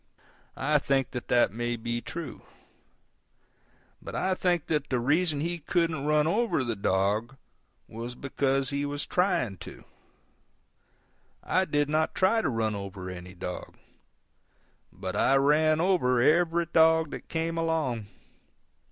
I think that that may be true: but I think that the reason he couldn't run over the dog was because he was trying to. I did not try to run over any dog. But I ran over every dog that came along.